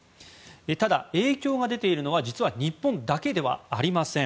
ただ、影響が出ているのは実は日本だけではありません。